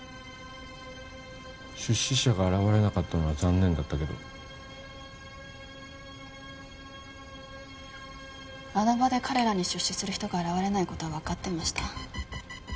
出資者が現れなかったのは残念だったけどあの場で彼らに出資する人が現れないことは分かってました